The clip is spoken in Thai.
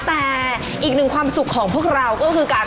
แต่อีกหนึ่งความสุขของพวกเราก็คือการ